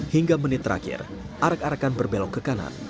hingga menit terakhir arak arakan berbelok ke kanan